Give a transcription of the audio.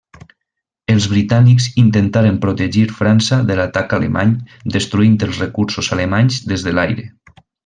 Els britànics intentaren protegir França de l'atac alemany destruint els recursos alemanys des de l'aire.